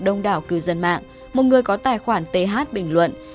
đông đảo cư dân mạng một người có tài khoản th bình luận